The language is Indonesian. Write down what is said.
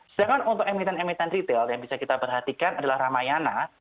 sedangkan untuk emiten emiten retail yang bisa kita perhatikan adalah ramayana